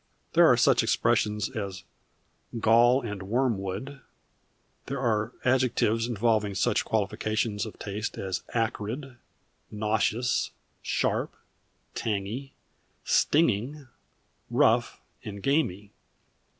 There are such expressions as "gall and wormwood"; there are adjectives involving such qualifications of taste as "acrid," "nauseous," "sharp," "tangy," "stinging," "rough," and "gamy."